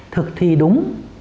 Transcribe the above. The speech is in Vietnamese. thực thi đúng